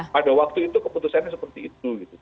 pada waktu itu keputusannya seperti itu